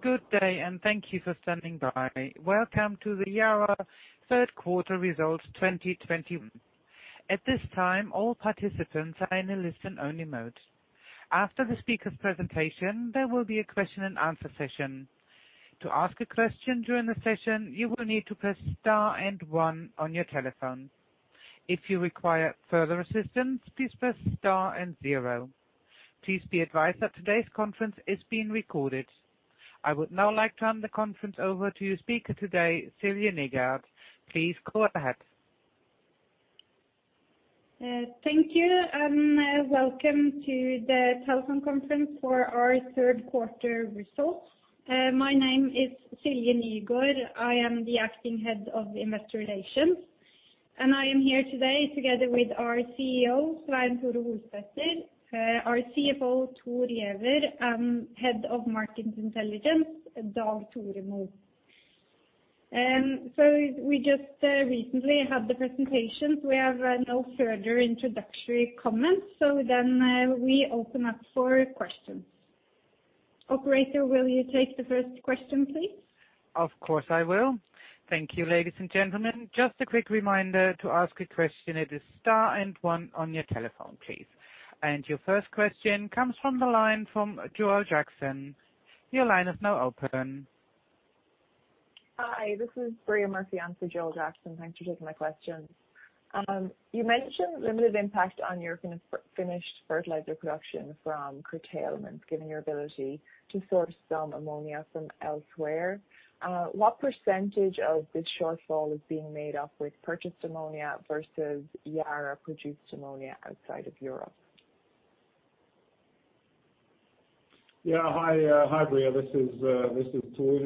Good day, and thank you for standing by. Welcome to the Yara third quarter results 2021. At this time, all participants are in a listen-only mode. After the speaker presentation there will be a question-and-answer session. To ask a question during the presentation, you may need to press star and one on your telephone. If you recquire further assistance, please press star and zero. Please be advised that today's conference is being recorded. I would now like to turn the conference over to your speaker today, Silje Nygaard. Please go ahead. Thank you. Welcome to the telephone conference for our third quarter results. My name is Silje Nygaard. I am the Acting Head of Investor Relations. I am here today together with our CEO, Svein Tore Holsether, our CFO, Thor Giæver, Head of Market Intelligence, Dag Tore Mo. We just recently had the presentations. We have no further introductory comments, so then I will open up for questions. Operator, will you take the first question, please? Of course, I will. Thank you, ladies and gentlemen. Just a quick reminder, to ask a question, it is star and one on your telephone, please. Your first question comes from the line from Joel Jackson. Your line is now open. Hi, this is Bria Murphy in for Joel Jackson. Thanks for taking my questions. You mentioned limited impact on your finished fertilizer production from curtailment, given your ability to source some ammonia from elsewhere. What percentage of this shortfall is being made up with purchased ammonia versus Yara-produced ammonia outside of Europe? Yeah. Hi, Bria. This is Thor.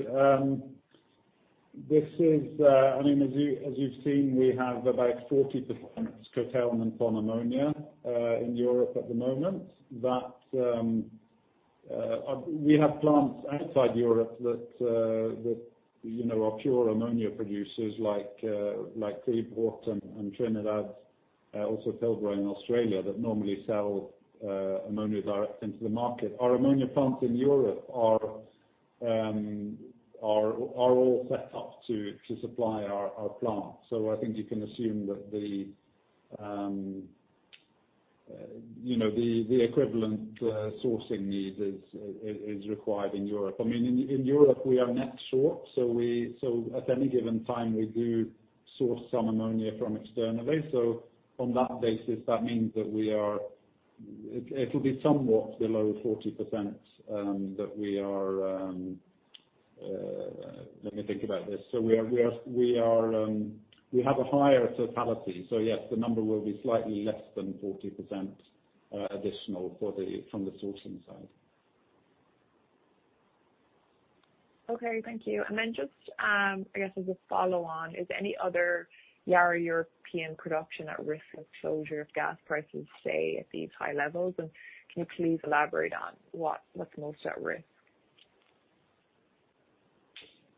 As you've seen, we have about 40% curtailment on ammonia in Europe at the moment. We have plants outside Europe that are pure ammonia producers like Freeport and Trinidad, also Pilbara in Australia that normally sell ammonia direct into the market. Our ammonia plants in Europe are all set up to supply our plants. I think you can assume that the equivalent sourcing need is required in Europe. In Europe, we are net short, so at any given time, we do source some ammonia from externally. On that basis, that means that it'll be somewhat below 40% that we are. Let me think about this. We have a higher totality. Yes, the number will be slightly less than 40% additional from the sourcing side. Okay. Thank you. Just, I guess as a follow-on, is any other Yara European production at risk of closure if gas prices stay at these high levels? Can you please elaborate on what's most at risk?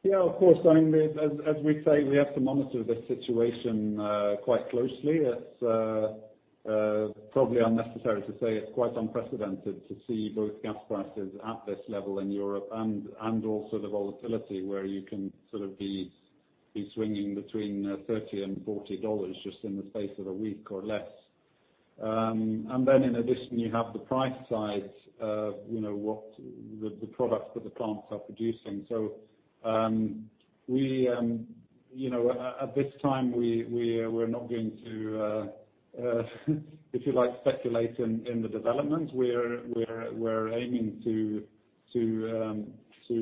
Yeah, of course. As we say, we have to monitor the situation quite closely. It's probably unnecessary to say it's quite unprecedented to see both gas prices at this level in Europe and also the volatility where you can sort of be swinging between $30 and $40 just in the space of a week or less. In addition, you have the price side of the products that the plants are producing. At this time, we're not going to, if you like, speculate in the development. We're aiming to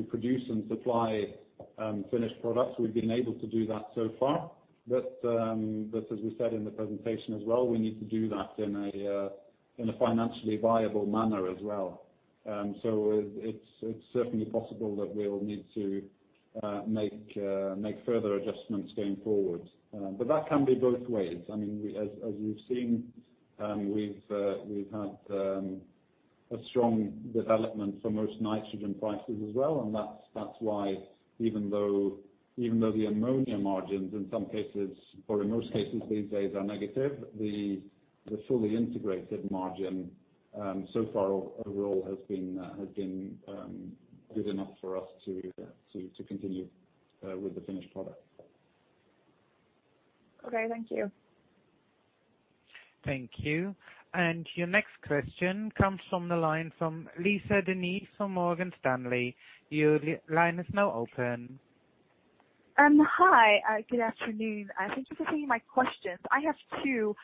produce and supply finished products. We've been able to do that so far. As we said in the presentation as well, we need to do that in a financially viable manner as well. It's certainly possible that we'll need to make further adjustments going forward, but that can be both ways. As you've seen, we've had a strong development for most nitrogen prices as well, and that's why even though the ammonia margins in most cases these days are negative, the fully integrated margin so far overall has been good enough for us to continue with the finished product. Okay. Thank you. Thank you. Your next question comes from the line from Lisa De Neve from Morgan Stanley. Your line is now open. Hi, good afternoon. Thank you for taking my questions. I have two.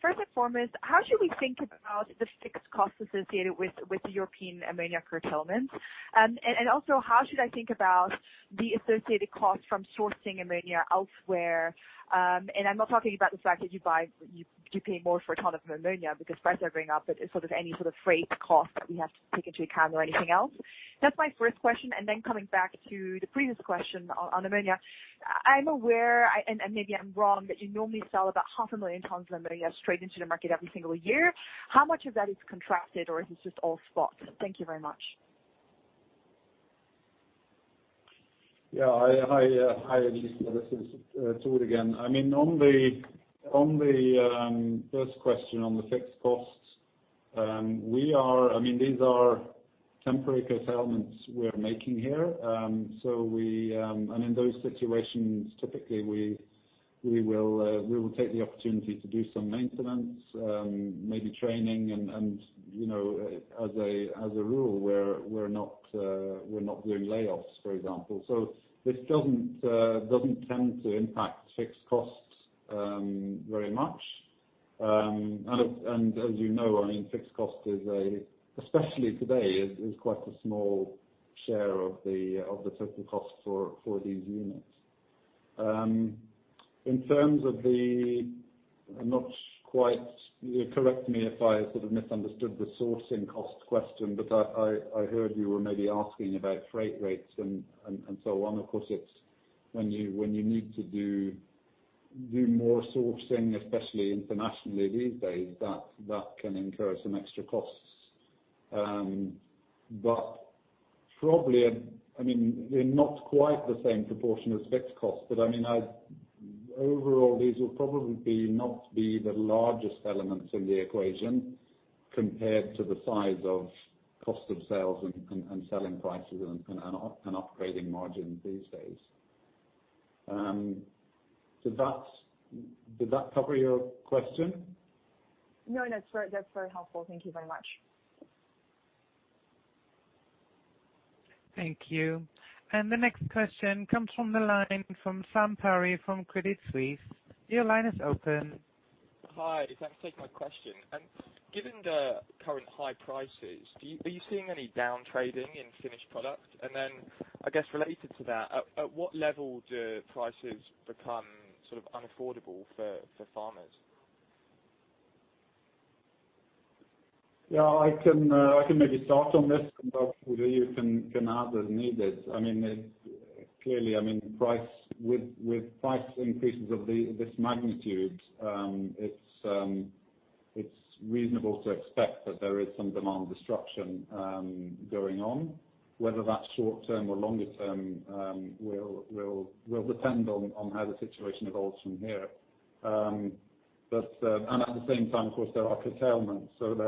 First and foremost, how should we think about the fixed cost associated with European ammonia curtailment? Also, how should I think about the associated cost from sourcing ammonia elsewhere? I'm not talking about the fact that you pay more for a ton of ammonia because prices are going up, but any sort of freight cost that you have to take into account or anything else? That's my first question. Then coming back to the previous question on ammonia. I'm aware, and maybe I'm wrong, that you normally sell about 500,000 tons of ammonia straight into the market every single year. How much of that is contracted, or is this just all spot? Thank you very much. Yeah. Hi, Lisa. This is Thor again. On the first question on the fixed costs, these are temporary curtailments we are making here. In those situations, typically, we will take the opportunity to do some maintenance, maybe training, and as a rule, we're not doing layoffs, for example. This doesn't tend to impact fixed costs very much. As you know, fixed cost, especially today, is quite a small share of the total cost for these units. In terms of the- correct me if I sort of misunderstood the sourcing cost question, but I heard you were maybe asking about freight rates and so on. Of course, when you need to do more sourcing, especially internationally these days, that can incur some extra costs. Probably, in not quite the same proportion as fixed costs. Overall, these will probably not be the largest elements in the equation compared to the size of cost of sales and selling prices and operating margins these days. Did that cover your question? No, that's very helpful. Thank you very much. Thank you. The next question comes from the line from Sam Perry from Credit Suisse. Your line is open. Hi. Thanks for taking my question. Given the current high prices, are you seeing any down trading in finished product? I guess related to that, at what level do prices become sort of unaffordable for farmers? Yeah, I can maybe start on this, and hopefully you can add as needed. Clearly, with price increases of this magnitude, it's reasonable to expect that there is some demand destruction going on. Whether that's short-term or longer term will depend on how the situation evolves from here. At the same time, of course, there are curtailments. As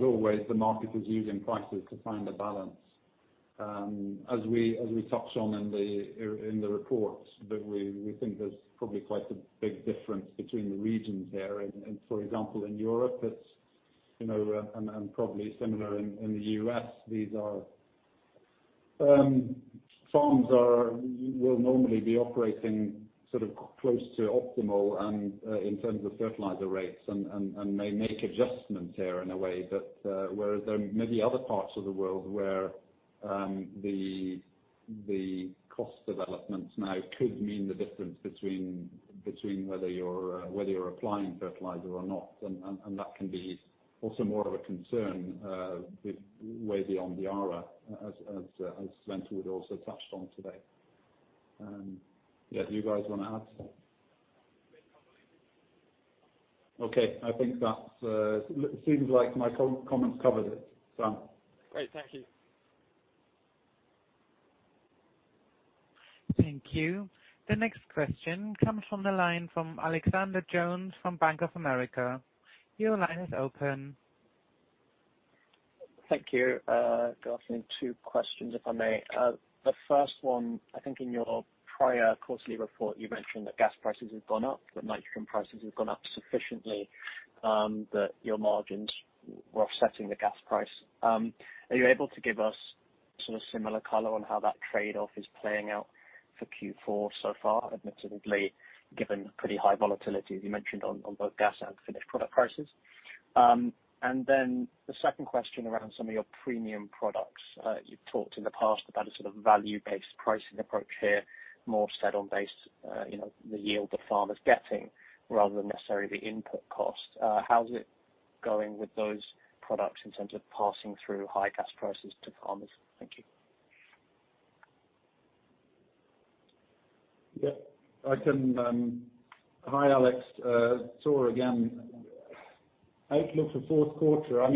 always, the market is using prices to find a balance. As we touched on in the reports, that we think there's probably quite a big difference between the regions here. For example, in Europe, and probably similar in the U.S., farms will normally be operating sort of close to optimal in terms of fertilizer rates and may make adjustments here in a way that whereas there may be other parts of the world where the cost developments now could mean the difference between whether you're applying fertilizer or not and that can be also more of a concern with way beyond Yara as Svein would also touch on today. Yeah. Do you guys want to add? Okay. Seems like my comments covered it, Sam. Great. Thank you. Thank you. The next question comes from the line from Alexander Jones from Bank of America. Your line is open. Thank you. Got some two questions, if I may. The first one, I think in your prior quarterly report, you mentioned that gas prices have gone up, that nitrogen prices have gone up sufficiently that your margins were offsetting the gas price. Are you able to give us sort of similar color on how that trade-off is playing out for Q4 so far, admittedly, given pretty high volatility, as you mentioned, on both gas and finished product prices? The second question around some of your premium products. You've talked in the past about a sort of value-based pricing approach here, more set on base, the yield the farmer's getting rather than necessarily the input cost. How is it going with those products in terms of passing through high gas prices to farmers? Thank you. Hi, Alex. Thor again. Outlook for fourth quarter.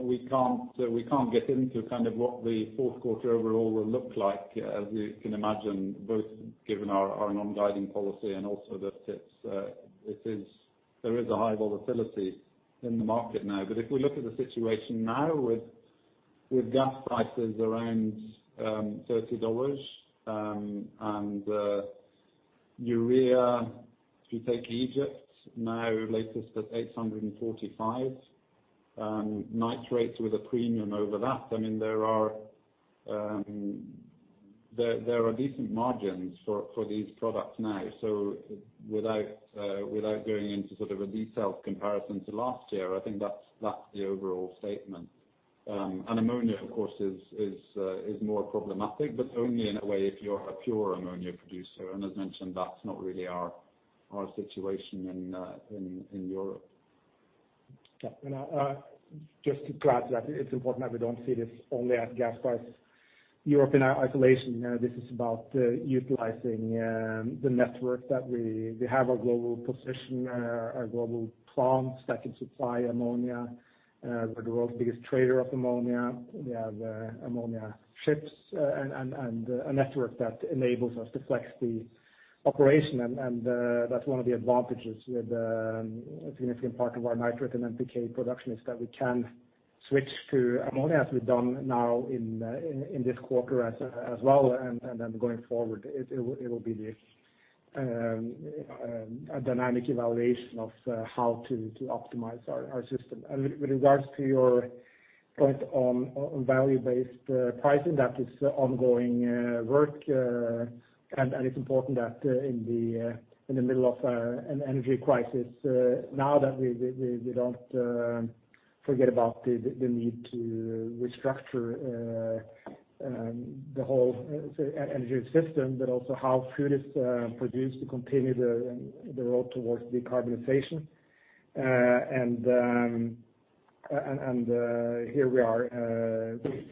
We can't get into kind of what the fourth quarter overall will look like, as you can imagine, both given our non-guiding policy and also that there is a high volatility in the market now. If we look at the situation now with gas prices around $30 and urea, if you take Egypt now latest at $845, nitrates with a premium over that, there are decent margins for these products now. Without going into sort of a detailed comparison to last year, I think that's the overall statement. Ammonia, of course, is more problematic, but only in a way if you're a pure ammonia producer. As mentioned, that's not really our situation in Europe. Yeah. Just to clarify, it's important that we don't see this only as gas price Europe in isolation. This is about utilizing the network that we have our global position, our global plants that can supply ammonia. We're the world's biggest trader of ammonia. We have ammonia ships and a network that enables us to flex the operation. That's one of the advantages with a significant part of our nitrates and NPK production, is that we can switch to ammonia as we've done now in this quarter as well. Going forward, it will be a dynamic evaluation of how to optimize our system. With regards to your point on value-based pricing, that is ongoing work, it's important that in the middle of an energy crisis, now that we don't forget about the need to restructure the whole energy system, but also how food is produced to continue the road towards decarbonization. Here we are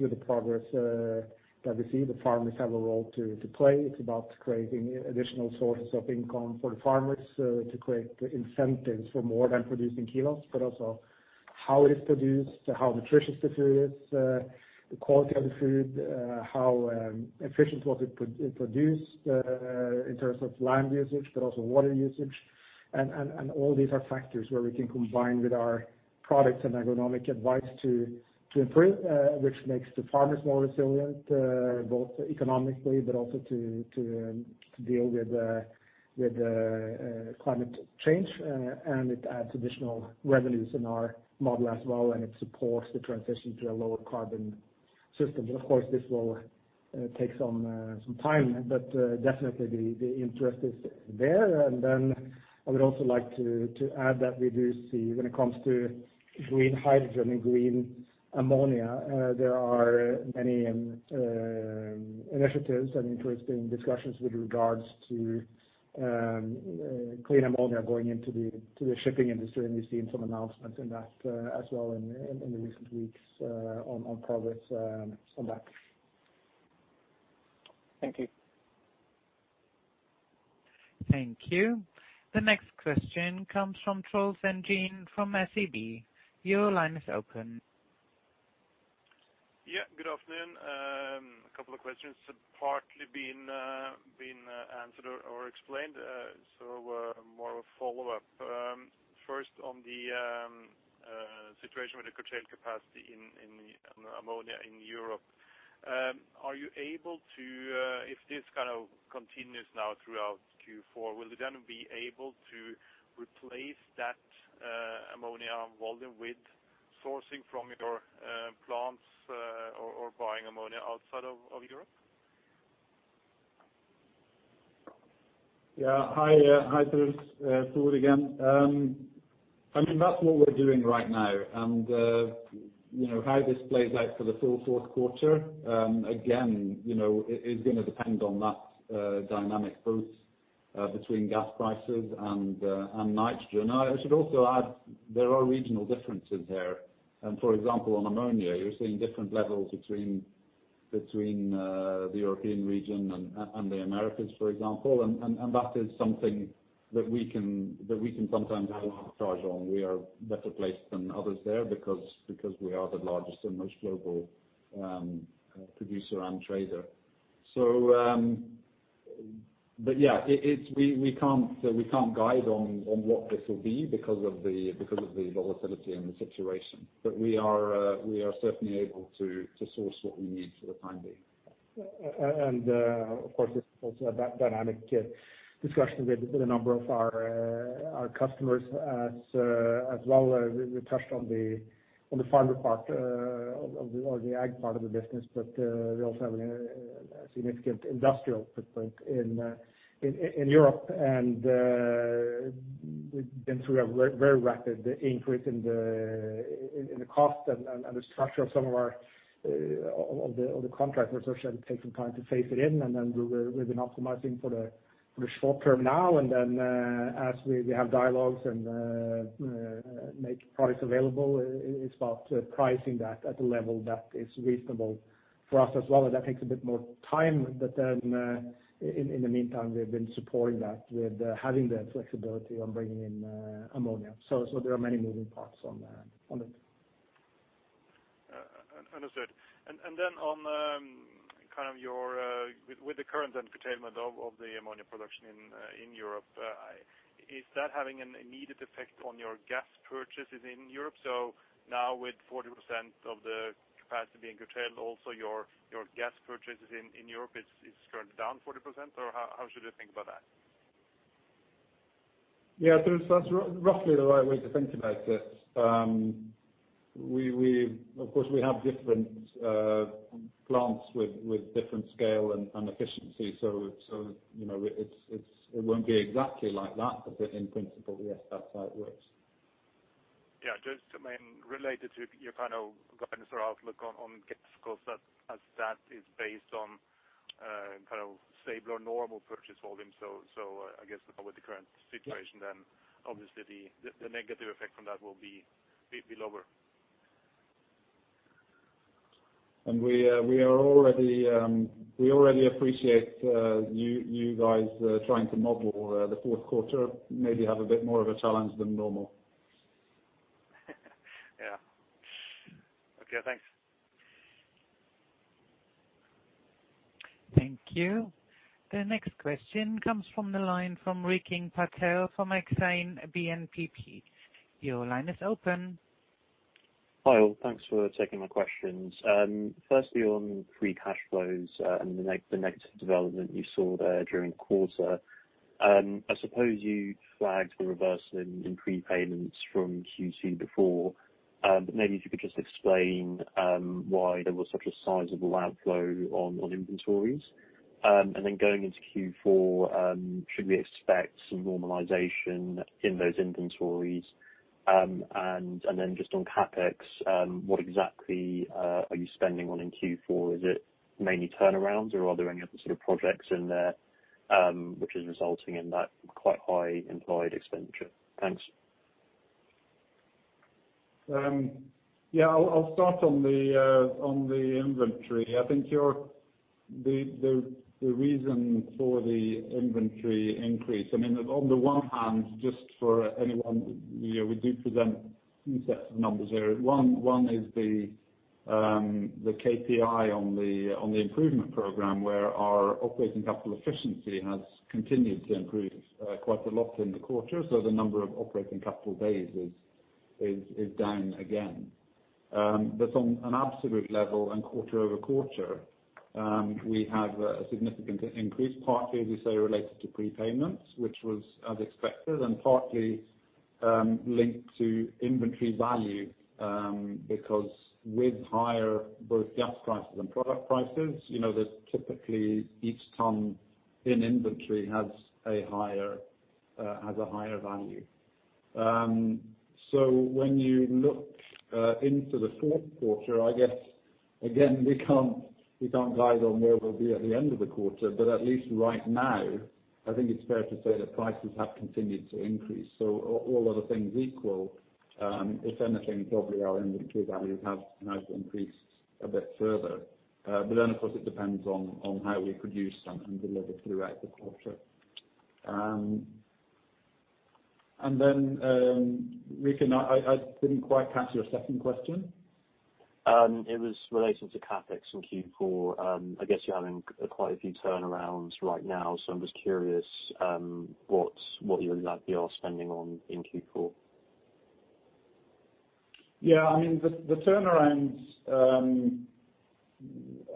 with the progress that we see. The farmers have a role to play. It's about creating additional sources of income for the farmers to create incentives for more than producing kilos, but also how it is produced, how nutritious the food is, the quality of the food, how efficient was it produced, in terms of land usage, but also water usage. All these are factors where we can combine with our products and agronomic advice to improve, which makes the farmers more resilient, both economically but also to deal with climate change. It adds additional revenues in our model as well, and it supports the transition to a lower carbon system. Of course, this will take some time, but definitely the interest is there. I would also like to add that we do see when it comes to green hydrogen and green ammonia, and there are many initiatives and interesting discussions with regards to clean ammonia going into the shipping industry, and we've seen some announcements in that as well in the recent weeks on progress on that. Thank you. Thank you. The next question comes from Troels Sebelin from SEB. Your line is open. Yeah. Good afternoon. A couple of questions partly been answered or explained. More of a follow-up. First, on the situation with the curtail capacity in ammonia in Europe. If this kind of continues now throughout Q4, will you then be able to replace that ammonia volume with sourcing from your plants or buying ammonia outside of Europe? Yeah. Hi, Troels. Thor again. That's what we're doing right now. How this plays out for the full fourth quarter, again, is going to depend on that dynamic both between gas prices and nitrogen. I should also add, there are regional differences there. For example, on ammonia, you're seeing different levels between the European region and the Americas, for example. That is something that we can sometimes have an upper charge on. We are better placed than others there because we are the largest and most global producer and trader. Yeah, we can't guide on what this will be because of the volatility and the situation. We are certainly able to source what we need for the time being. Of course, it's also a dynamic discussion with a number of our customers as well. We touched on the farmer part or the ag part of the business, but we also have a significant industrial footprint in Europe. We've been through a very rapid increase in the cost and the structure of some of the contract, which has actually taken time to phase it in. We've been optimizing for the short term now and then as we have dialogues and make products available, it's about pricing that at a level that is reasonable for us as well. That takes a bit more time. In the meantime, we've been supporting that with having the flexibility on bringing in ammonia so there are many moving parts on it. Understood. With the current curtailment of the ammonia production in Europe, is that having an immediate effect on your gas purchases in Europe? Now with 40% of the capacity being curtailed, also your gas purchases in Europe is currently down 40%? How should I think about that? Yeah, Troels, that's roughly the right way to think about it. Of course, we have different plants with different scale and efficiency. It won't be exactly like that. In principle, yes, that's how it works. Yeah. Just related to your kind of guidance or outlook on gas costs, as that is based on kind of stable or normal purchase volume. I guess with the current situation, then obviously the negative effect from that will be lower. We already appreciate you guys trying to model the fourth quarter, maybe have a bit more of a challenge than normal. Yeah. Okay, thanks. Thank you. The next question comes from the line from Rikin Patel from Exane BNP Paribas. Your line is open. Hi all. Thanks for taking my questions. Firstly, on free cash flows and the negative development you saw there during the quarter. I suppose you flagged a reversal in prepayments from Q2 before, but maybe if you could just explain why there was such a sizable outflow on inventories. Going into Q4, should we expect some normalization in those inventories? Just on CapEx, what exactly are you spending on in Q4? Is it mainly turnarounds or are there any other sort of projects in there which is resulting in that quite high employed expenditure? Thanks. I'll start on the inventory. I think the reason for the inventory increase, on the one hand, just for anyone, we do present two sets of numbers there. One is the KPI on the improvement program where our operating capital efficiency has continued to improve quite a lot in the quarter so the number of operating capital days is down again. On an absolute level and quarter-over-quarter, we have a significant increase, partly as you say, related to prepayments, which was as expected, and partly linked to inventory value, because with higher both gas prices and product prices, typically each ton in inventory has a higher value. When you look into the fourth quarter, I guess again, we can't guide on where we'll be at the end of the quarter, but at least right now, I think it's fair to say that prices have continued to increase. All other things equal, if anything, probably our inventory values have increased a bit further. Of course it depends on how we produce and deliver throughout the quarter. Rikin, I didn't quite catch your second question? It was relating to CapEx in Q4. I guess you're having quite a few turnarounds right now, so I'm just curious what you're likely spending on in Q4? The turnarounds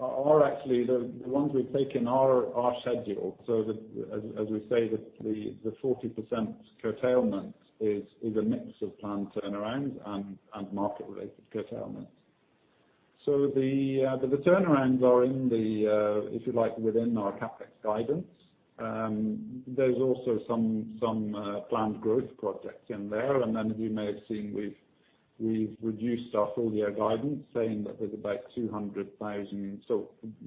are actually the ones we've taken are scheduled. As we say that the 40% curtailment is a mix of planned turnarounds and market-related curtailment. The turnarounds are in the, if you like, within our CapEx guidance. There's also some planned growth projects in there. As you may have seen, we've reduced our full year guidance saying that there's about 200,000.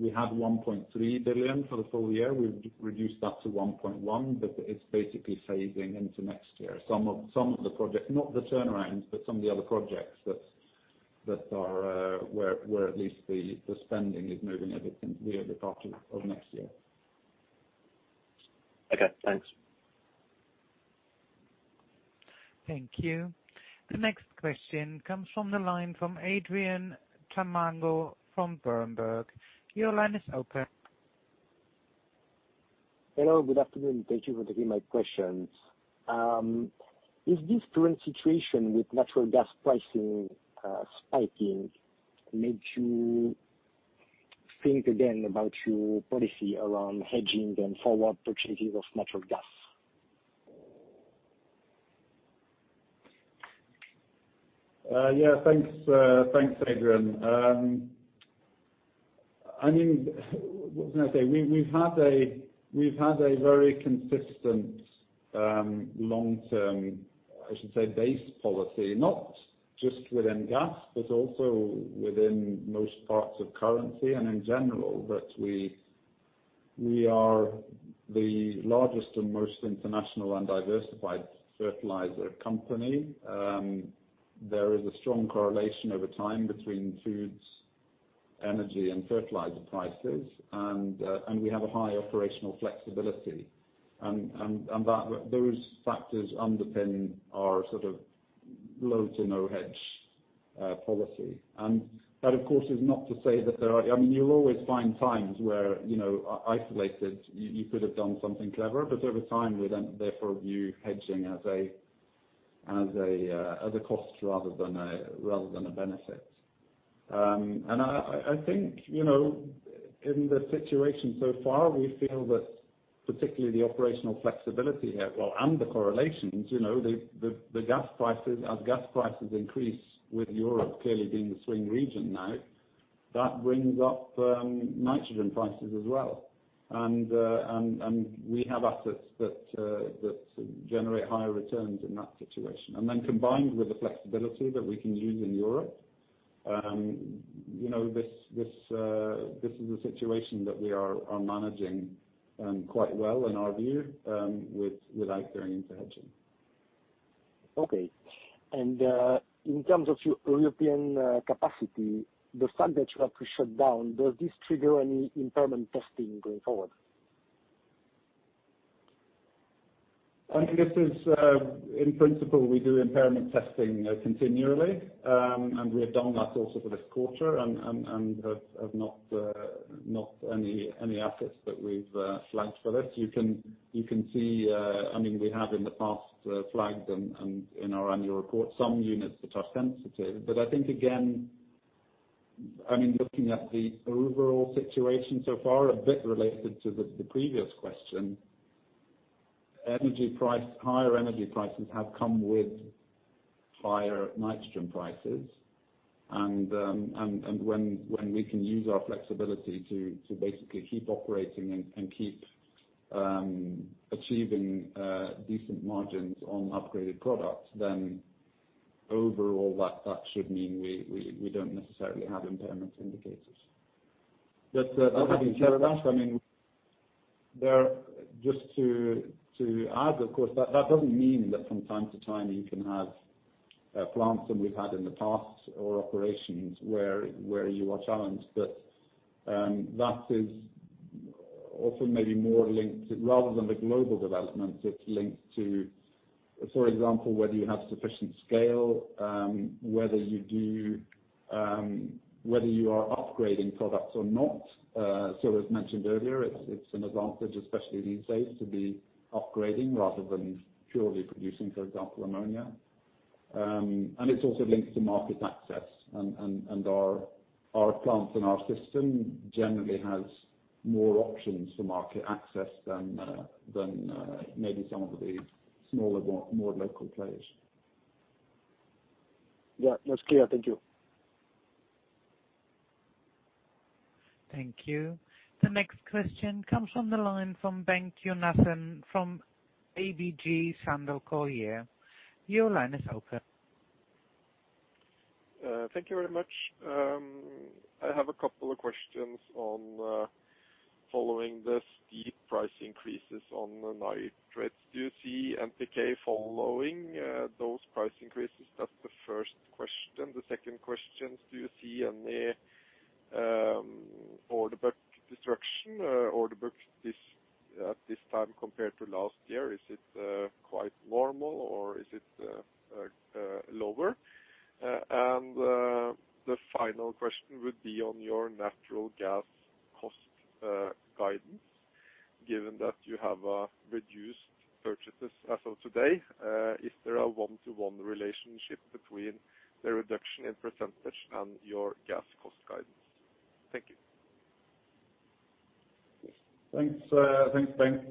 We had 1.3 billion for the full year. We've reduced that to 1.1 billion, it's basically phasing into next year. Some of the projects, not the turnarounds, some of the other projects that are where at least the spending is moving the other part of next year. Okay, thanks. Thank you. The next question comes from the line from Adrien Tamagno from Berenberg. Your line is open. Hello. Good afternoon. Thank you for taking my questions. Is this current situation with natural gas pricing spiking made you think again about your policy around hedging and forward purchases of natural gas? Thanks, Adrien. What was I gonna say? We've had a very consistent long-term, I should say, base policy, not just within gas, but also within most parts of currency and in general. We are the largest and most international and diversified fertilizer company. There is a strong correlation over time between foods, energy, and fertilizer prices and we have a high operational flexibility. Those factors underpin our sort of low to no hedge policy. That of course, is not to say that you always find times where isolated you could have done something clever, but over time we then therefore view hedging as a cost rather than a benefit. I think, in the situation so far, we feel that particularly the operational flexibility here. As gas prices increase with Europe clearly being the swing region now, that brings up nitrogen prices as well. We have assets that generate higher returns in that situation. Combined with the flexibility that we can use in Europe, this is a situation that we are managing quite well in our view with our interim hedging. Okay. In terms of European capacity, the plant that you had to shut down, does this trigger any impairment testing going forward? I think this is, in principle, we do impairment testing continually, and we have done that also for this quarter and have not any assets that we've flagged for this. You can see we have in the past flagged and in our annual report some units which are sensitive. I think again, looking at the overall situation so far, a bit related to the previous question, higher energy prices have come with higher nitrogen prices. When we can use our flexibility to basically keep operating and keep achieving decent margins on upgraded products, then overall that should mean we don't necessarily have impairment indicators. Having said that, just to add, of course, that doesn't mean that from time to time you can have plants than we've had in the past or operations where you are challenged, but that is also maybe more linked, rather than the global developments, it's linked to, for example, whether you have sufficient scale, whether you are upgrading products or not. As mentioned earlier, it's an advantage, especially these days, to be upgrading rather than purely producing, for example, ammonia. It's also linked to market access, and our plants and our system generally has more options for market access than maybe some of the smaller, more local players. Yeah. That's clear. Thank you. Thank you. The next question comes from the line from Bengt Jonassen from ABG Sundal Collier. Your line is open. Thank you very much. I have a couple of questions on following the steep price increases on the nitrates. Do you see NPK following those price increases? That's the first question. The second question, do you see any order book disruption, order books at this time compared to last year, is it quite normal or is it lower? The final question would be on your natural gas cost guidance, given that you have reduced purchases as of today. Is there a one-to-one relationship between the reduction in percentage and your gas cost guidance? Thank you. Thanks, Bengt.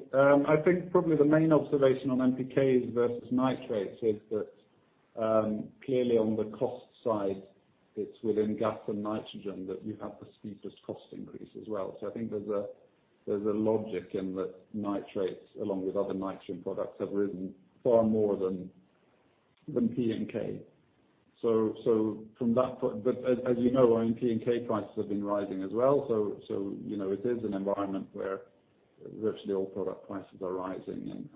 I think probably the main observation on NPKs versus nitrates is that clearly on the cost side, it's within gas and nitrogen that you have the steepest cost increase as well. I think there's a logic in that nitrates, along with other nitrogen products, have risen far more than P and K. As you know, our P and K prices have been rising as well. It is an environment where virtually all product prices are rising.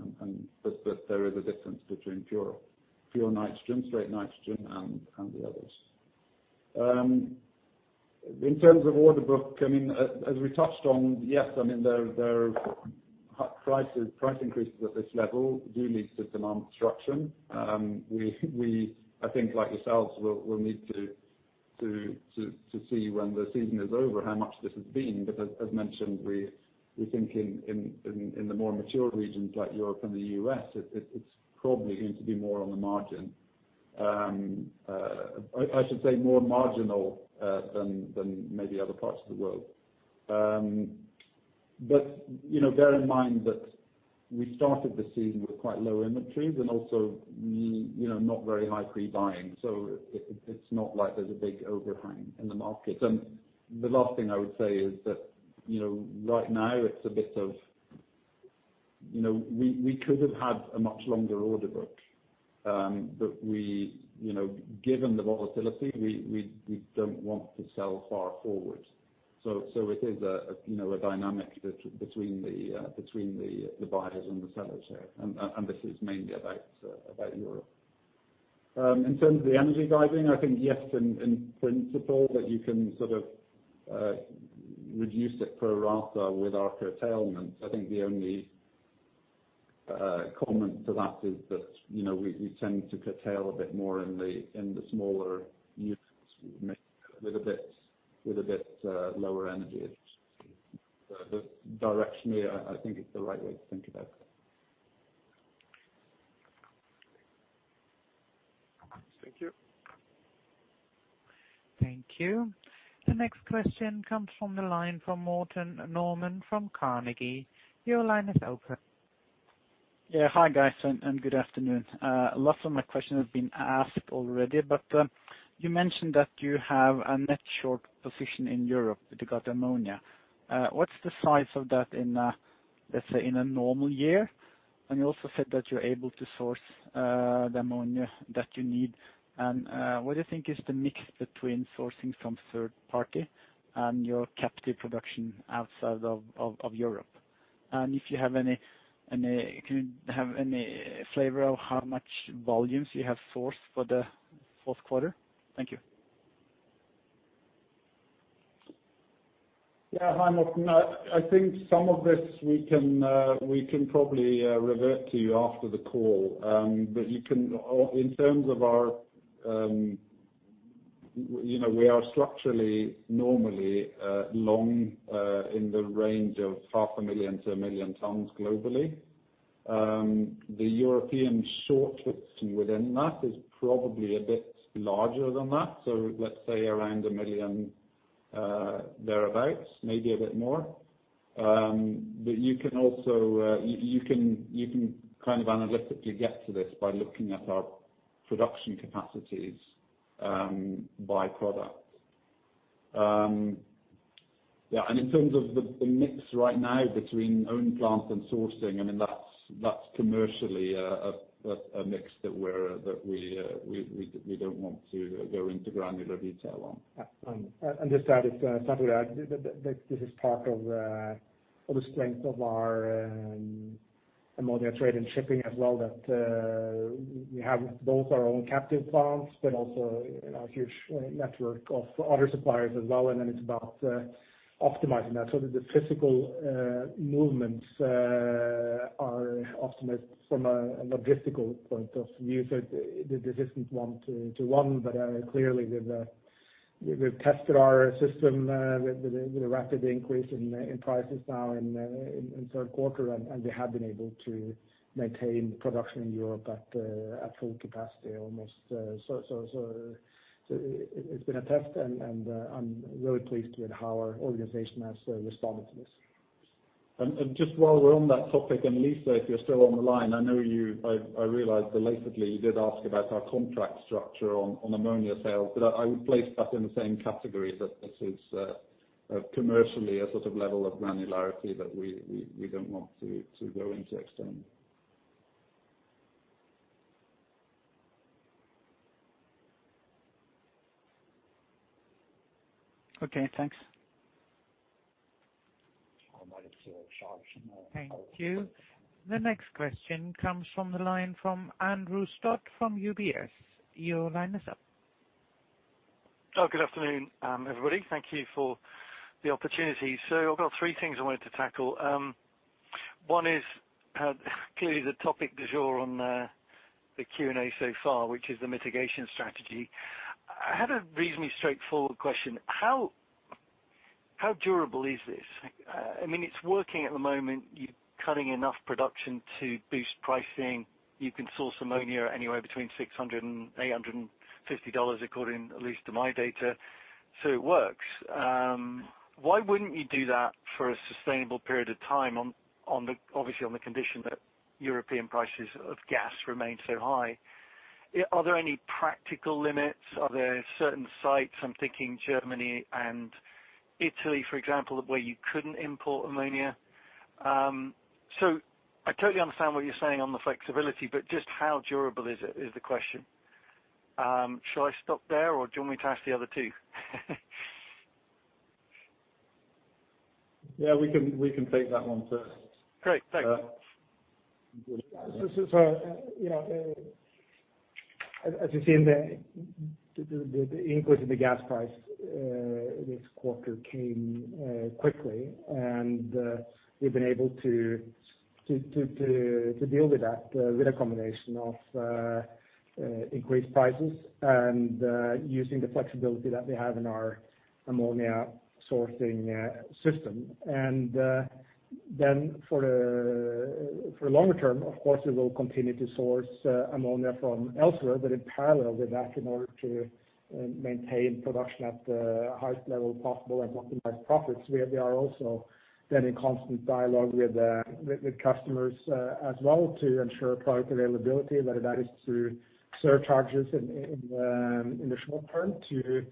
There is a difference between pure nitrogen, straight nitrogen, and the others. In terms of order book, as we touched on, yes, price increases at this level do lead to demand destruction. We, I think like yourselves, will need to see when the season is over how much this has been. As mentioned, we think in the more mature regions like Europe and the U.S., it's probably going to be more on the margin. I should say more marginal than maybe other parts of the world. Bear in mind that we started the season with quite low inventories and also not very high pre-buying. It's not like there's a big overhang in the market. The last thing I would say is that, right now it's a bit of we could have had a much longer order book, but given the volatility, we don't want to sell far forward. It is a dynamic between the buyers and the sellers here, and this is mainly about Europe. In terms of the energy guiding, I think yes, in principle that you can sort of reduce it pro rata with our curtailment. I think the only comment to that is that we tend to curtail a bit more in the smaller units mixed with a bit lower energy. Directionally, I think it's the right way to think about it. Thank you. Thank you. The next question comes from the line from Morten Normann from Carnegie. Your line is open. Yeah. Hi, guys, and good afternoon. Lots of my questions have been asked already, but you mentioned that you have a net short position in Europe with regard to ammonia. What's the size of that in, let's say in a normal year, and you also said that you're able to source the ammonia that you need. What do you think is the mix between sourcing from third party and your captive production outside of Europe? If you have any flavor of how much volumes you have sourced for the fourth quarter? Thank you. Yeah. Hi, Morten. I think some of this we can probably revert to you after the call. In terms of We are structurally normally long, in the range of 500,000-1,000,000 tons globally. The European shortfall within that is probably a bit larger than that. Let's say around 1 million, thereabouts, maybe a bit more. You can kind of analytically get to this by looking at our production capacities by product. Yeah, in terms of the mix right now between own plant and sourcing, that's commercially a mix that we don't want to go into granular detail on. Just add, it's Svein Holsether here. This is part of the strength of our ammonia trade and shipping as well, that we have both our own captive plants, but also a huge network of other suppliers as well. It's about optimizing that so that the physical movements are optimized from a logistical point of view. This isn't one-to-one, but clearly we've tested our system with the rapid increase in prices now in third quarter, and we have been able to maintain production in Europe at full capacity almost and so and so it's been a test and I'm really pleased with how our organization has responded to this. Just while we're on that topic, Lisa, if you're still on the line, I realize belatedly you did ask about our contract structure on ammonia sales, but I would place that in the same category that this is commercially a sort of level of granularity that we don't want to go into extent. Okay, thanks. I might have seen those options. Thank you. The next question comes from the line from Andrew Stott from UBS. Your line is up. Good afternoon, everybody. Thank you for the opportunity. I've got three things I wanted to tackle. One is clearly the topic du jour on the Q&A so far, which is the mitigation strategy. I had a reasonably straightforward question. How durable is this? It's working at the moment. You're cutting enough production to boost pricing. You can source ammonia anywhere between $600 and $850, according at least to my data, so it works. Why wouldn't you do that for a sustainable period of time, obviously on the condition that European prices of gas remain so high? Are there any practical limits? Are there certain sites, I'm thinking Germany and Italy, for example, where you couldn't import ammonia? I totally understand what you're saying on the flexibility, but just how durable is it, is the question. Should I stop there or do you want me to ask the other two? Yeah, we can take that one first. Great. Thanks. As you see, the increase in the gas price this quarter came quickly and we've been able to deal with that with a combination of increased prices and using the flexibility that we have in our ammonia sourcing system. Then for longer term, of course, we will continue to source ammonia from elsewhere. In parallel with that, in order to maintain production at the highest level possible and optimize profits, we are also then in constant dialogue with customers as well to ensure product availability, whether that is through surcharges in the short term to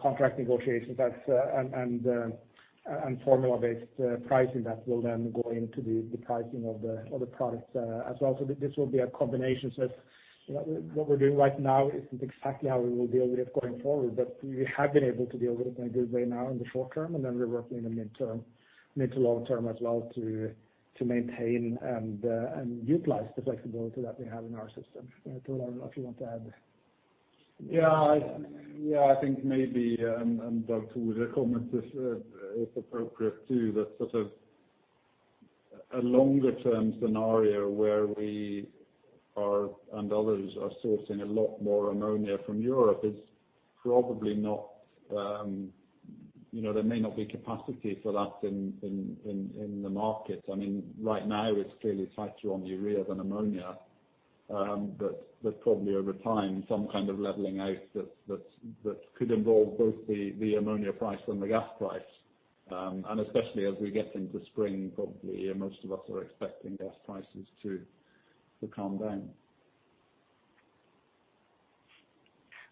contract negotiations and formula-based pricing that will then go into the pricing of the other products as well. This will be a combination. What we're doing right now isn't exactly how we will deal with it going forward, but we have been able to deal with it in a good way now in the short term, and then we're working in the mid to long term as well to maintain and utilize the flexibility that we have in our system. Thor, if you want to add. Yeah, I think maybe, Thor, the comment is appropriate, too, that sort of a longer term scenario where we and others are sourcing a lot more ammonia from Europe is probably not capacity for that in the market. Right now it's clearly tighter on the urea than ammonia. Probably over time, some kind of leveling out that could involve both the ammonia price and the gas price. Especially as we get into spring, probably most of us are expecting gas prices to calm down.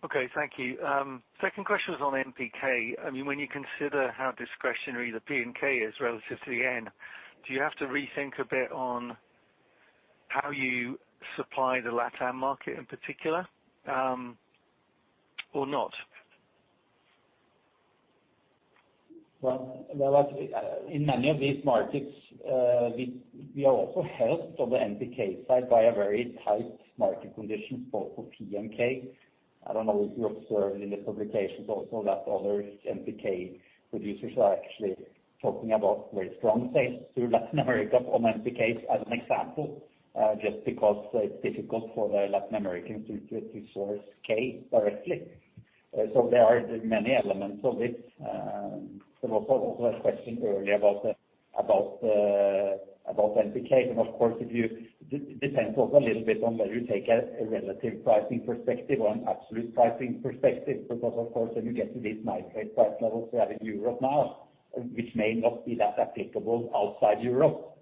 Okay, thank you. Second question was on NPK. When you consider how discretionary the P and K is relative to the N, do you have to rethink a bit on how you supply the LatAm market in particular, or not? Well, in many of these markets, we are also helped on the NPK side by a very tight market condition for P and K. I don't know if you observed in the publications also that other NPK producers are actually talking about very strong sales to Latin America on NPK as an example, just because it's difficult for the Latin Americans to source K directly. There are many elements of it. Of course, it depends also a little bit on whether you take a relative pricing perspective or an absolute pricing perspective, because of course, when you get to these nitrate price levels we have in Europe now, which may not be that applicable outside Europe,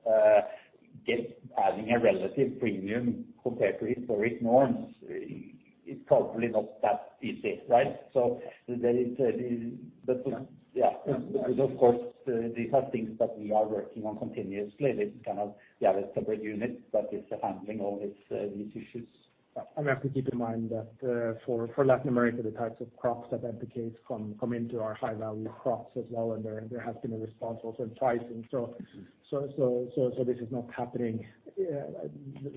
adding a relative premium compared to historic norms is probably not that easy. Right? Yeah. Of course, these are things that we are working on continuously. We have a separate unit that is handling all these issues. We have to keep in mind that for Latin America, the types of crops that advocates come into are high-value crops as well, and there has been a response also in pricing. This is not happening,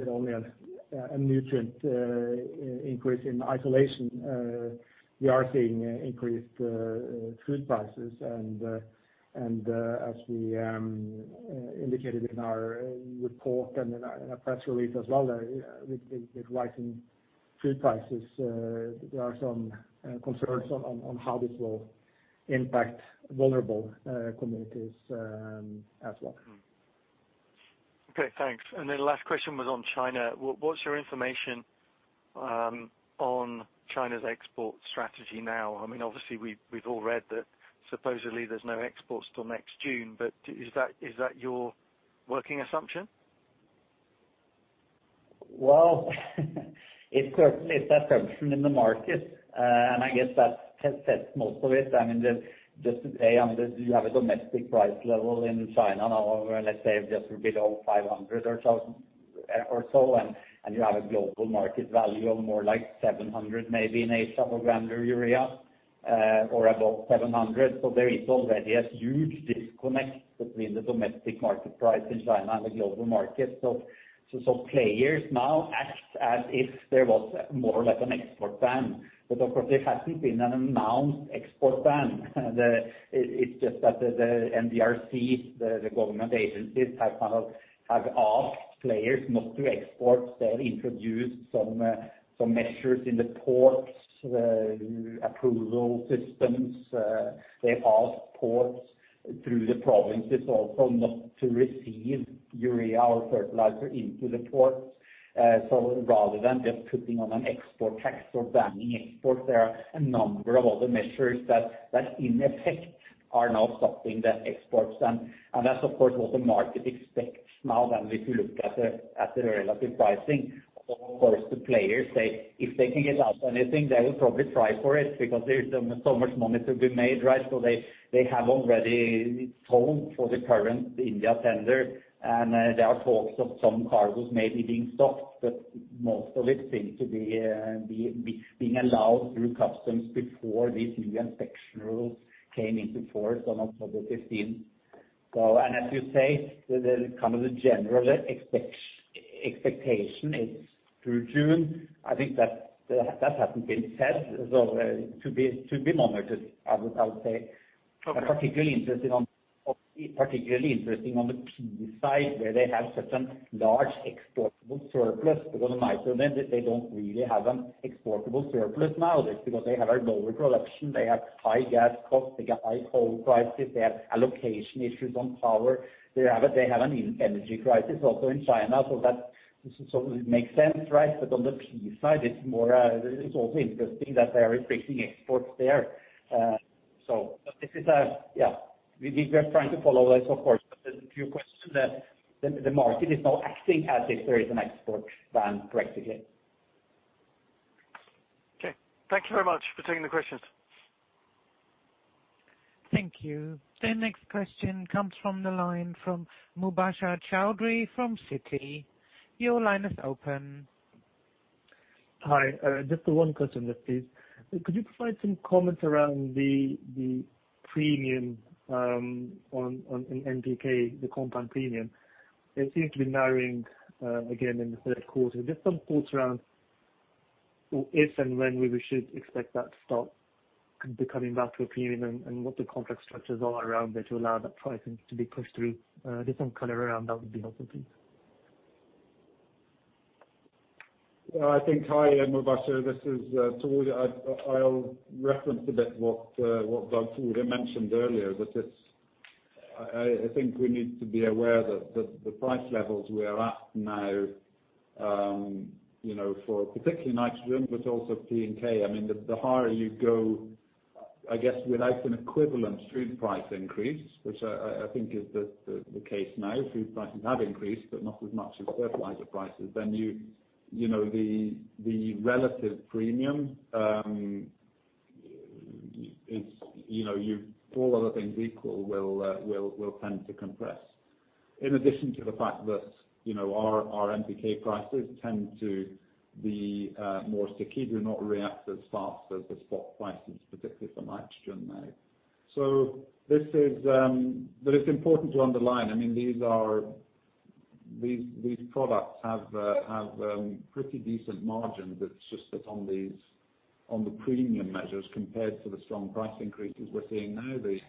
only a nutrient increase in isolation. We are seeing increased food prices and as we indicated in our report and in our press release as well, with rising food prices, there are some concerns on how this will impact vulnerable communities as well. Okay, thanks. Last question was on China. What's your information on China's export strategy now? Obviously, we've all read that supposedly there's no exports till next June, but is that your working assumption? Well, it certainly is that assumption in the market. I guess that says most of it. Just today, you have a domestic price level in China now of, let's say, just below 500 or so, and you have a global market value of more like 700, maybe in Asia for granular urea, or above 700. There is already a huge disconnect between the domestic market price in China and the global market. Of course, there hasn't been an announced export ban. It's just that the NDRC, the government agencies have asked players not to export. They have introduced some measures in the ports, approval systems. They've asked ports through the provinces also not to receive urea or fertilizer into the ports. Rather than just putting on an export tax or banning exports, there are a number of other measures that in effect are now stopping the exports. That's of course, what the market expects now than if you look at the relative pricing. Of course, the players say if they can get out anything, they will probably try for it because there is so much money to be made, right? They have already told for the current India tender, and there are talks of some cargoes maybe being stopped, but most of it seems to be being allowed through customs before these new inspection rules came into force on October 15th. As you say, the general expectation is through June. I think that hasn't been said, so to be monitored, I would say. Okay. Particularly interesting on the P side, where they have such a large exportable surplus, because nitrogen, they don't really have an exportable surplus now. That's because they have a lower production. They have high gas costs. They got high coal prices. They have allocation issues on power. They have an energy crisis also in China. It makes sense, right? On the P side, it's also interesting that they are restricting exports there. We are trying to follow this, of course. To your question, the market is now acting as if there is an export ban currently, yes. Okay. Thank you very much for taking the questions. Thank you. The next question comes from the line from Mubasher Chaudhry from Citi. Your line is open. Hi, just one question, please. Could you provide some comments around the premium on NPK, the compound premium? It seems to be narrowing again in the third quarter. Just some thoughts around if and when we should expect that to stop becoming that premium and what the contract structures are around there to allow that pricing to be pushed through. Just some color around that would be helpful, please. Hi, Mubasher. This is Thor. I'll reference a bit what [inaudible] mentioned earlier. I think we need to be aware that the price levels we are at now for particularly nitrogen, but also P and K, the higher you go I guess without an equivalent food price increase, which I think is the case now, food prices have increased, but not as much as fertilizer prices, then the relative premium, all other things equal, will tend to compress. In addition to the fact that our NPK prices tend to be more sticky, do not react as fast as the spot prices, particularly for nitrogen now. This is important to underline. These products have pretty decent margins, it's just that on the premium measures compared to the strong price increases we're seeing now, the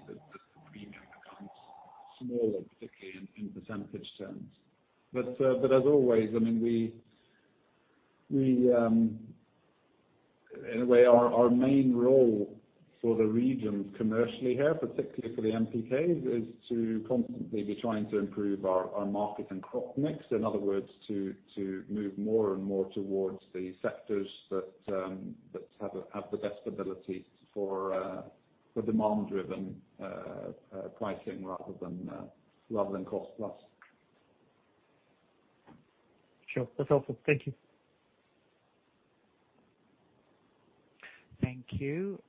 premium becomes smaller, particularly in percentage terms. As always, our main role for the regions commercially here, particularly for the NPK, is to constantly be trying to improve our market and crop mix. In other words, to move more and more towards the sectors that have the best ability for demand-driven pricing rather than cost plus. Sure. That's helpful. Thank you. Thank you.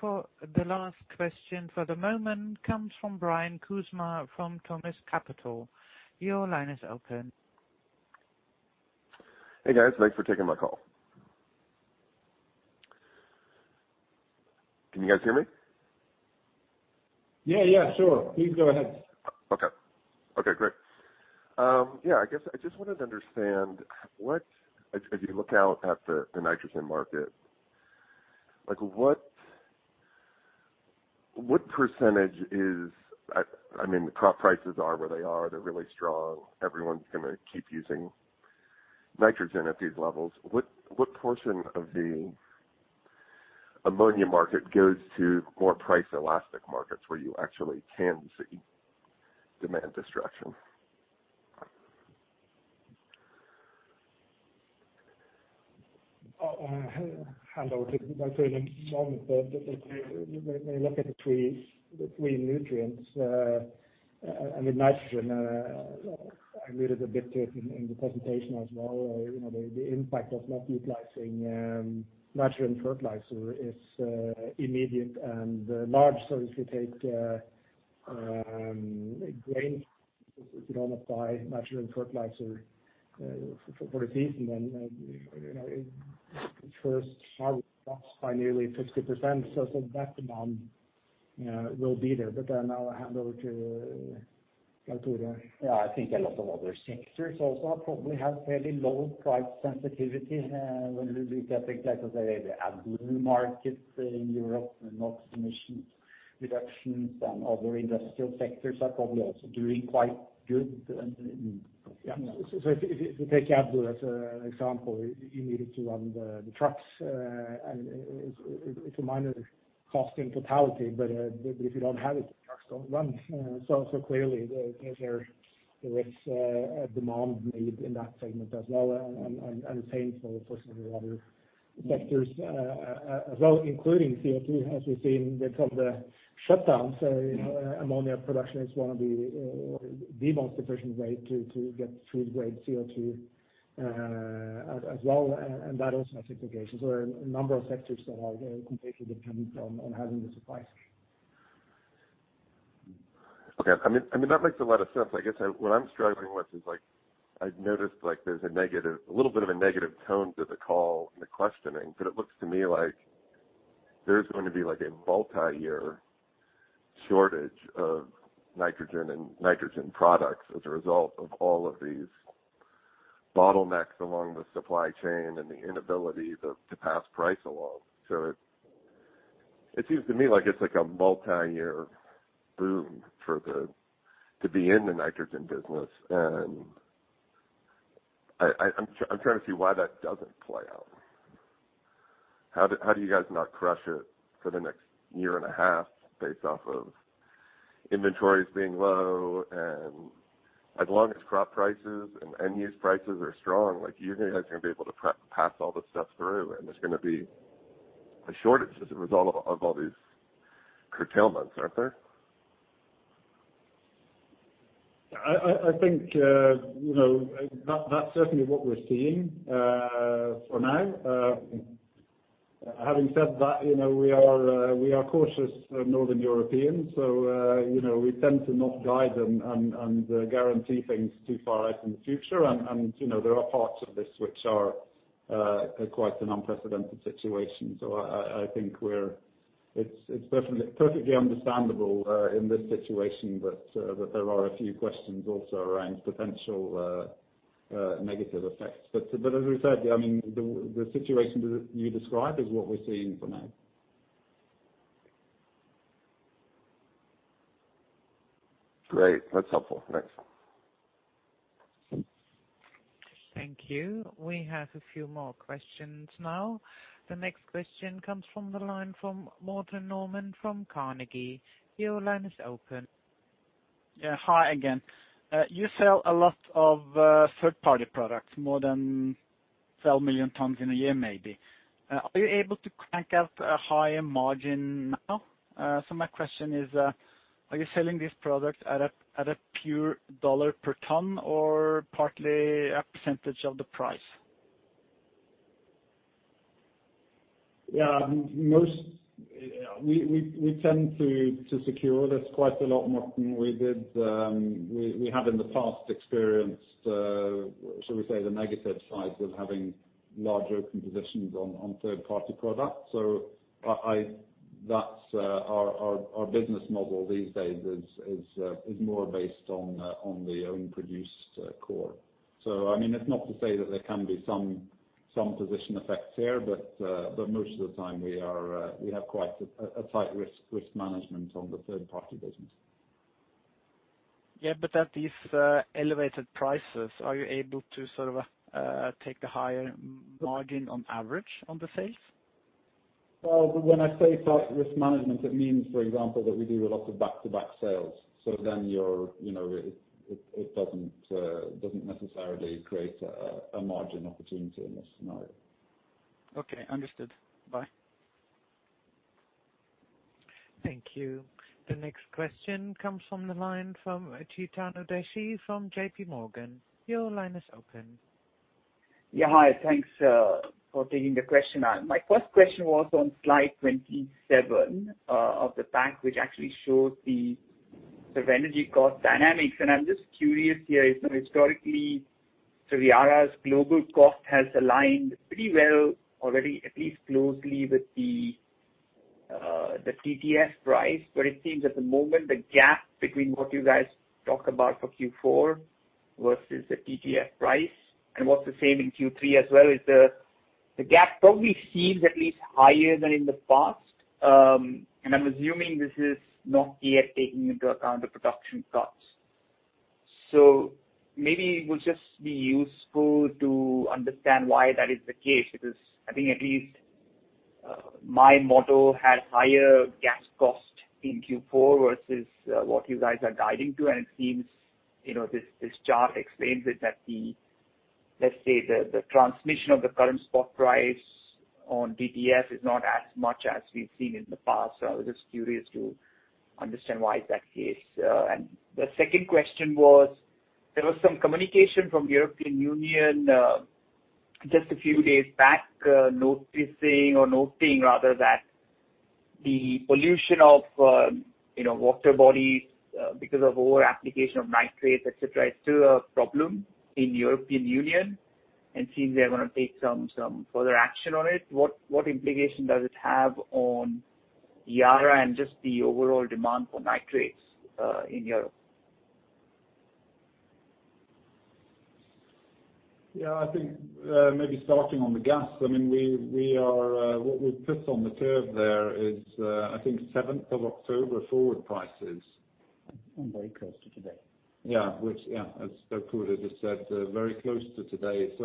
For the last question for the moment comes from Brian Kuzma from Thomist Capital. Your line is open. Hey, guys. Thanks for taking my call. Can you guys hear me? Yeah, sure. Please go ahead. Okay, great. I guess I just wanted to understand as you look out at the nitrogen market, the crop prices are where they are. They are really strong. Everyone is going to keep using nitrogen at these levels. What portion of the ammonia market goes to more price elastic markets where you actually can see demand destruction? I'll hand over to Thor Giæver in a moment. When you look at the three nutrients and with nitrogen, I alluded a bit to it in the presentation as well, the impact of not utilizing nitrogen fertilizer is immediate and large. If you take grains, if you don't apply nitrogen fertilizer for the season, the first harvest drops by nearly 50%. That demand will be there. I'll hand over to Thor. Yeah, I think a lot of other sectors also probably have fairly low price sensitivity when we look at things like, as I say, the AdBlue market in Europe and NOx emissions reductions and other industrial sectors are probably also doing quite good. If you take AdBlue as an example, you need it to run the trucks. It's a minor cost in totality, but if you don't have it, the trucks don't run. Clearly, there is a demand need in that segment as well and the same for possibly other sectors as well, including CO2, as we've seen because of the shutdowns. ammonia production is one of the most efficient ways to get food-grade CO2 as well, and that also has implications. A number of sectors that are completely dependent on having the supplies. Okay. That makes a lot of sense. I guess what I'm struggling with is I've noticed there's a little bit of a negative tone to the call and the questioning, but it looks to me like there's going to be a multi-year shortage of nitrogen and nitrogen products as a result of all of these bottlenecks along the supply chain and the inability to pass price along. It seems to me like it's a multi-year boom to be in the nitrogen business, and I'm trying to see why that doesn't play out. How do you guys not crush it for the next year and a half based off of inventories being low and as long as crop prices and end-use prices are strong, you guys are going to be able to pass all this stuff through and there's going to be a shortage as a result of all these curtailments, aren't there? I think that's certainly what we are seeing for now. Having said that, we are cautious Northern Europeans, so we tend to not guide and guarantee things too far out in the future and there are parts of this which are quite an unprecedented situation. I think it's perfectly understandable in this situation that there are a few questions also around potential negative effects. As we said, the situation you describe is what we are seeing for now. Great. That's helpful. Thanks. Thank you. We have a few more questions now. The next question comes from the line from Morten Normann from Carnegie. Your line is open. Yeah. Hi again. You sell a lot of third-party products, more than 12 million tons in a year, maybe. Are you able to crank out a higher margin now? My question is, are you selling these products at a pure $1 per ton or partly a percentage of the price? Yeah. We tend to secure this quite a lot more than we have in the past experienced, shall we say, the negative side of having large open positions on third-party products. Our business model these days is more based on the own produced core. It's not to say that there can be some position effects here, but most of the time we have quite a tight risk management on the third-party business. Yeah, at these elevated prices, are you able to take a higher margin on average on the sales? Well, when I say tight risk management, it means, for example, that we do a lot of back-to-back sales. It doesn't necessarily create a margin opportunity in this scenario. Okay, understood. Bye. Thank you. The next question comes from the line from Chetan Udeshi from JPMorgan. Your line is open. Hi. Thanks for taking the question. My first question was on slide 27 of the pack, which actually shows the energy cost dynamics. I'm just curious here, historically, Yara's global cost has aligned pretty well already, at least closely with the TTF price. It seems at the moment, the gap between what you guys talked about for Q4 versus the TTF price and what the same in Q3 as well, the gap probably seems at least higher than in the past. I'm assuming this is not yet taking into account the production costs. Maybe it will just be useful to understand why that is the case, because I think at least my model had higher gas cost in Q4 versus what you guys are guiding to. It seems this chart explains it that, let's say, the transmission of the current spot price on TTF is not as much as we've seen in the past. I was just curious to understand why that is. The second question was, there was some communication from the European Union just a few days back noticing or noting rather that the pollution of water bodies because of over application of nitrates, etc., is still a problem in the European Union and it seems they are going to take some further action on it. What implication does it have on Yara and just the overall demand for nitrates in Europe? Yeah, I think maybe starting on the gas, what we put on the curve there is I think 7th of October forward prices. Very close to today. Yeah. As Thor Giæver just said, very close to today. At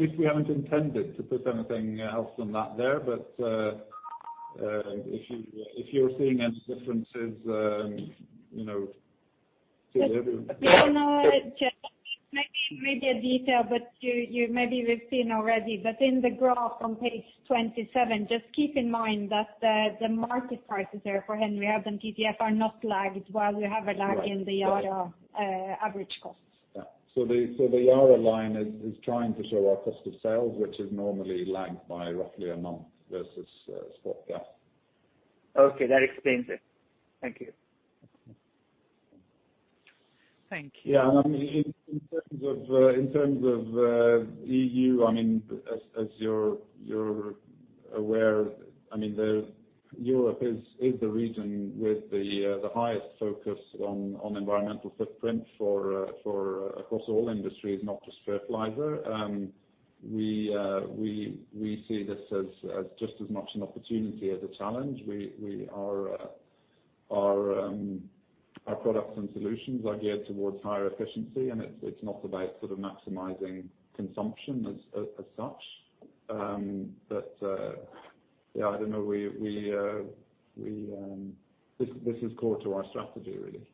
least we haven't intended to put anything else than that there. If you're seeing any differences. Maybe a detail, but maybe we've seen already, but in the graph on page 27, just keep in mind that the market prices there for Henry Hub and TTF are not lagged, while we have a lag in the Yara average cost. Yeah. The Yara line is trying to show our cost of sales, which is normally lagged by roughly a month versus spot gas. Okay, that explains it. Thank you. Thank you. In terms of EU, as you're aware, Europe is the region with the highest focus on environmental footprint across all industries, not just fertilizer. We see this as just as much an opportunity as a challenge. Our products and solutions are geared towards higher efficiency, and it's not about maximizing consumption as such. This is core to our strategy, really.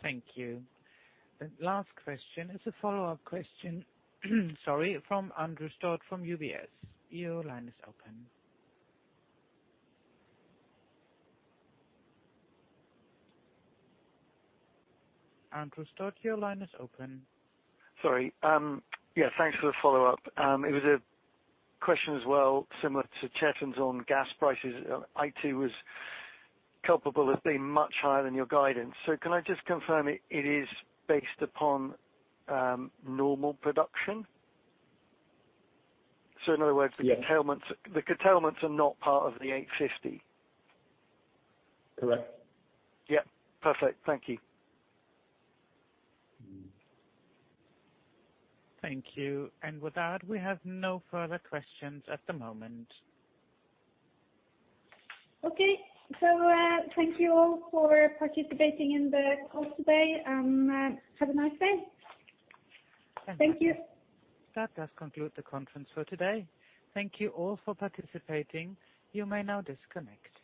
Thank you. The last question is a follow-up question from Andrew Stott from UBS. Your line is open. Andrew Stott, your line is open. Sorry. Yeah, thanks for the follow-up. It was a question as well similar to Chetan's on gas prices. It was culpable as being much higher than your guidance. Can I just confirm it is based upon normal production? Yeah. The curtailments are not part of the 850? Correct. Yep. Perfect. Thank you. Thank you. With that, we have no further questions at the moment. Okay. Thank you all for participating in the call today. Have a nice day. Thank you. That does conclude the conference for today. Thank you all for participating. You may now disconnect.